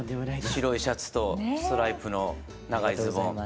白いシャツとストライプの長いズボン。